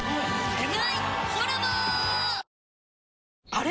あれ？